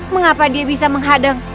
mengapa dia bisa menghadang